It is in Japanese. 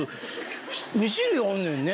２種類おんねんね。